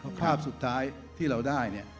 เพราะภาพสุดท้ายที่เราได้เนี่ย